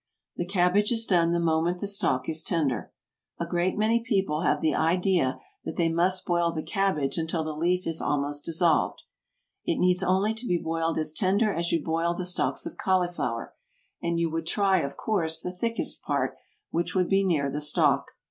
The cabbage is done the moment the stalk is tender. A great many people have the idea that they must boil the cabbage until the leaf is almost dissolved. It needs only to be boiled as tender as you boil the stalks of cauliflower, and you would try, of course, the thickest part, which would be near the stalk.